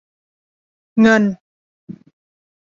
เงิน